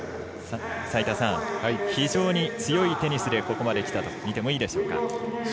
非常に強いテニスでここまできたとみていいでしょうか。